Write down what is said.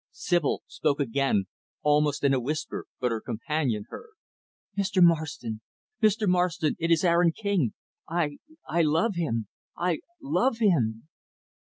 Sibyl spoke again, almost in a whisper, but her companion heard. "Mr. Marston, Mr. Marston, it is Aaron King. I I love him I love him."